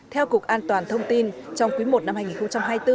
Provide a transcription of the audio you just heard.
theo cục an toàn thông tin trong quý i năm hai nghìn hai mươi bốn